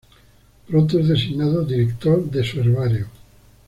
Pronto es designado Director de su herbario.